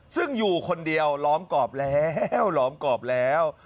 ซึ่งอยู่คนเดียวล้อมกรอบแล้ว